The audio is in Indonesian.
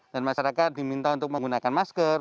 dan masyarakat diminta untuk menggunakan masker